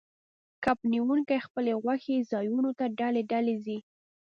کب نیونکي خپلو خوښې ځایونو ته ډلې ډلې ځي